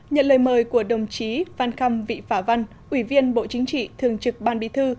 nhận lời mời của đồng chí phan khâm vị phả văn ủy viên bộ chính trị thường trực ban bí thư